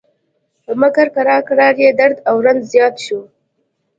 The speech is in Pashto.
مګر کرار کرار یې درد او رنځ زیات شو.